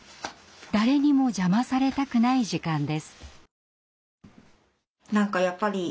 誰にも邪魔されたくない時間です。